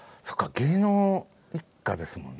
芸能一家ですもんね。